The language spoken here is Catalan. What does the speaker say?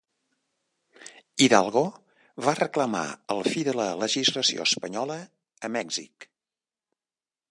Hidalgo va reclamar el fi de la legislació espanyola a Mèxic.